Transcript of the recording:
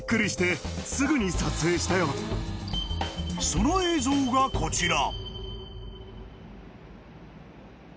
［その映像がこちら］